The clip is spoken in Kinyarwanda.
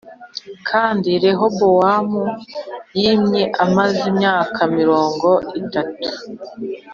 Kandi Rehobowamu yimye amaze imyaka mirongo itatu